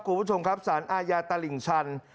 คุณผู้ชมครับสารอาญาตลิ่งชัน